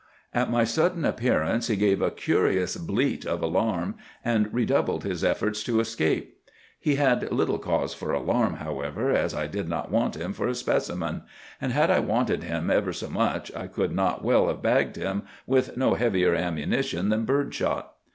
"At my sudden appearance he gave a curious bleat of alarm, and redoubled his efforts to escape. He had little cause for alarm, however, as I did not want him for a specimen; and had I wanted him ever so much I could not well have bagged him with no heavier ammunition than bird shot.